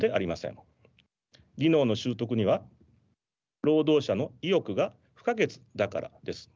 技能の習得には労働者の意欲が不可欠だからです。